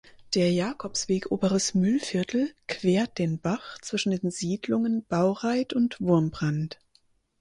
Der Jakobsweg Oberes Mühlviertel quert den Bach zwischen den Siedlungen Baureith und Wurmbrand.